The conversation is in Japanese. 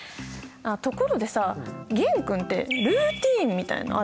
あっところでさ玄君ってルーティーンみたいのある？